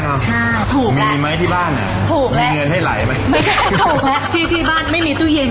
ใช่ถูกครับมีมั๊ยที่บ้านมีเงินให้ไหลมั้ยไม่ใช่ถูกแล้วที่บ้านไม่มีตู้เย็น